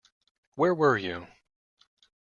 Where were you?